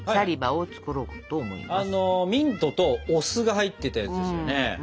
あのミントとお酢が入ってたやつですよね。